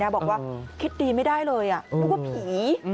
บอกว่าคิดดีไม่ได้เลยนึกว่าผี